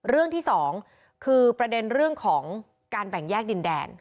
เรื่องที่สองคือประเด็นเรื่องของการแบ่งแยกดินแดน